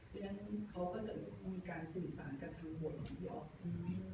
เพราะฉะนั้นเขาก็จะมีการสินสารกับทั้งบทของพี่ออฟ